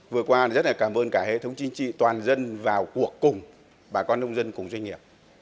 vừa qua rất là cảm ơn cả hệ thống chính trị toàn dân vào cuộc cùng bà con nông dân cùng doanh nghiệp